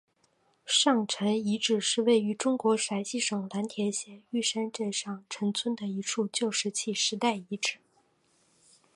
上陈遗址是位于中国陕西省蓝田县玉山镇上陈村的一处旧石器时代遗址。